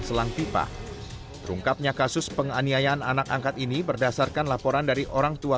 selang pipa terungkapnya kasus penganiayaan anak angkat ini berdasarkan laporan dari orang tua